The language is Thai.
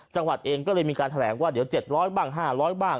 จังหวัดเองก็เลยมีการแถลงว่าเดี๋ยว๗๐๐บ้าง๕๐๐บ้าง